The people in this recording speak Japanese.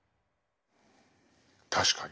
確かに。